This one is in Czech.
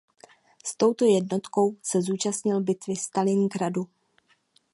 S touto jednotkou se účastnil bitvy u Stalingradu.